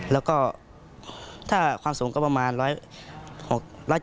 แล้วก็ถ้าความสูงก็ประมาณ๑๖๐